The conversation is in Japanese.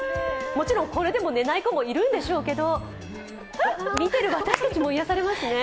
もちろん、これでも寝ない子もいるんでしょうけど、見てる私たちも癒やされますね。